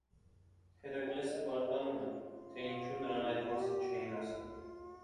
Հերակլեսը բարկանում է, թե ինչու նրան այդ մասին չէին ասել։